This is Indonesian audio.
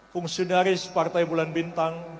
fungsionaris partai bulan bintang